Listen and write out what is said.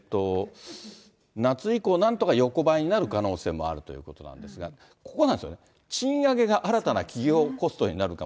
夏以降、なんとか横ばいになる可能性もあるということなんですが、ここなんですよね、賃上げが新たな企業コストになるかも。